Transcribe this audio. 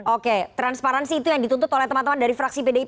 oke transparansi itu yang dituntut oleh teman teman dari fraksi pdip